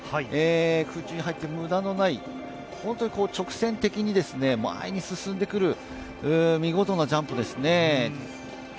空中に入って無駄のない、直線的に前に進んでくる、見事なジャンプですね。